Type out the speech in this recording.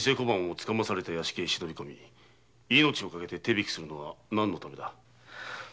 つかまされた屋敷へ忍び込み命をかけて手引きするのはなぜだ？